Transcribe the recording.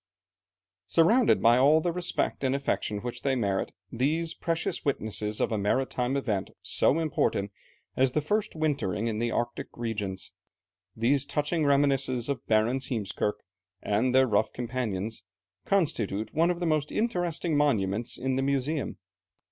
Surrounded by all the respect and affection which they merit, these precious witnesses of a maritime event so important as the first wintering in the Arctic regions, these touching reminiscences of Barentz, Heemskerke, and their rough companions, constitute one of the most interesting monuments in the Museum.